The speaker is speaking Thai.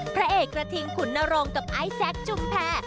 พระเอกกระทิงขุนนรงค์กับไอซักจุ้มแพ้